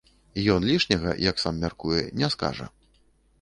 Ён лішняга, як сам мяркуе, не скажа.